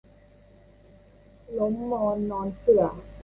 ล้มหมอนนอนเสื่อ